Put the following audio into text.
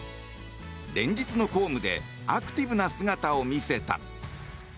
連日の公務でアクティブな姿を見せた。